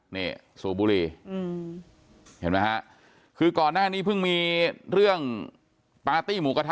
นี่สูบบุรีเห็นไหมฮะคือก่อนหน้านี้เพิ่งมีเรื่องปาร์ตี้หมูกระทะ